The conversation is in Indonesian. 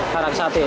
karak sate ya